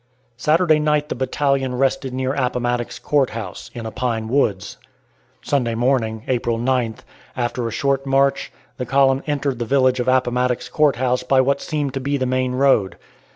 Saturday night the battalion rested near Appomattox Court House, in a pine woods. Sunday morning, April 9th, after a short march, the column entered the village of Appomattox Court House by what seemed to be the main road.